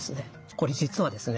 これ実はですね